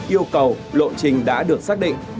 yêu cầu lộ trình đã được xác định